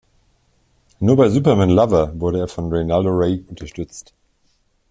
Nur bei "Superman Lover" wurde er von Reynaldo Rey unterstützt.